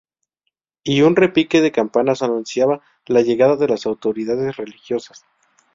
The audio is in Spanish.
Y un repique de campanas anunciaba la llegada de las autoridades religiosas.